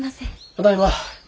ただいま。